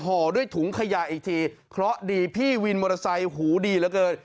ห่อด้วยถุงขยะอีกทีเพราะดีพี่วินมอเตอร์ไซค์หูดีเหลือเกิน